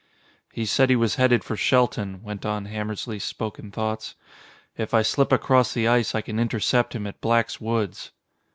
"He said he was headed for Shelton," went on Hammersly's spoken thoughts. "If I slip across the ice I can intercept him at Black's woods."